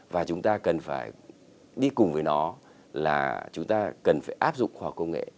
và chúng ta cần phải đi cùng với nó là chúng ta cần phải áp dụng khoa học công nghệ